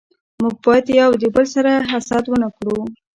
موږ بايد يو دبل سره حسد و نه کړو